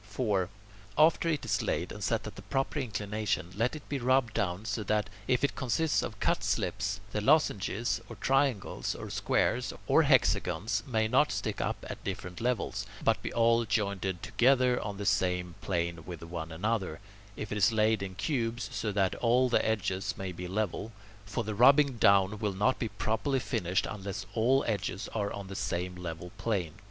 4. After it is laid and set at the proper inclination, let it be rubbed down so that, if it consists of cut slips, the lozenges, or triangles, or squares, or hexagons may not stick up at different levels, but be all jointed together on the same plane with one another; if it is laid in cubes, so that all the edges may be level; for the rubbing down will not be properly finished unless all the edges are on the same level plane.